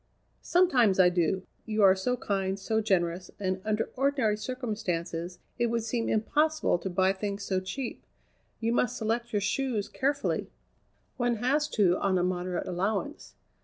"Sometimes I do, you are so kind, so generous, and under ordinary circumstances it would seem impossible to buy things so cheap. You must select your shops carefully." "One has to on a moderate allowance."